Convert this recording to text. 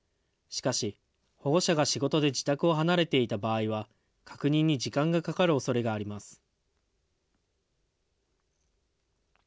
しかし保護者が仕事で自宅を離れていた場合は、確認に時間がかかるおそれがあります。